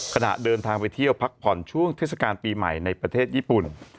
ขณะเดินทางไปเที่ยวพักผ่อนช่วงเทศกาลปีใหม่ในประเทศญี่ปุ่น